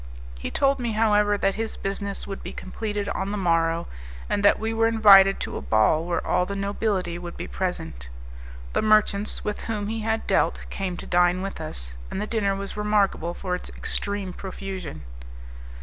He told me, however, that his business would be completed on the morrow, and that we were invited to a ball where all the nobility would be present. The merchants with whom he had dealt came to dine with us, and the dinner was remarkable for its extreme profusion.